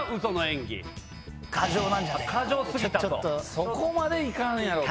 そこまで行かんやろと。